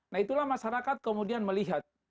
nah itulah masyarakat kemudian melihat